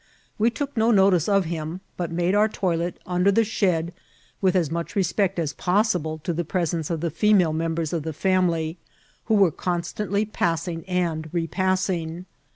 We took no notice of him, but made our toilet under the shed with as much respect as possible to the presence of the female members of the family, who were constantly passing and repassing.